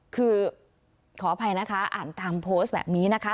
คือขออภัยนะคะอ่านตามโพสต์แบบนี้นะคะ